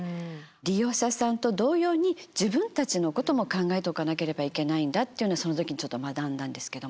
利用者さんと同様に自分たちのことも考えておかなければいけないんだっていうのをその時にちょっと学んだんですけども。